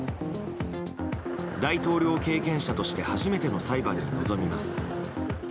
大統領経験者として初めての裁判に臨みます。